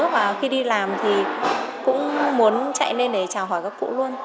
và khi đi làm thì cũng muốn chạy lên để chào hỏi các cụ luôn